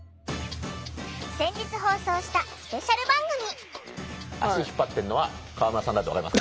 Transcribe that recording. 先月放送したスペシャル番組。